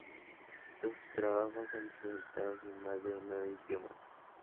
Sus trabajos han sido editados en más de nueve idiomas.